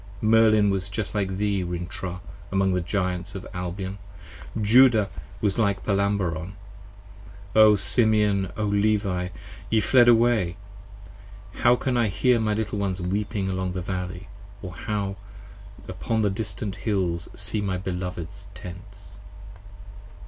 Merlin was like thee Rintrah among the Giants of Albion, Judah was like Palamabron: O Simeon! O Levi! ye fled away! 15 How can I hear my little ones weeping along the Valley, Or how upon the distant Hills see my beloveds' Tents.